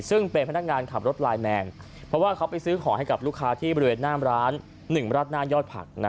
ซึ่งเป็นพนักงานขับรถไลน์แมนเพราะว่าเขาไปซื้อของให้กับลูกค้าที่บริเวณหน้ามร้าน๑ราดหน้ายอดผัก